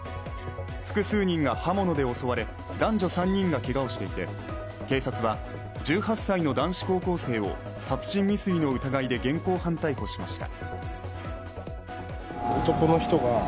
複数人が刃物で襲われ男女３人がけがをしていて警察は１８歳の男子高校生を殺人未遂の疑いで現行犯逮捕しました。